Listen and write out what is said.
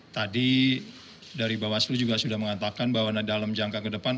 tadi dari bawaslu juga sudah mengatakan bahwa dalam jangka ke depan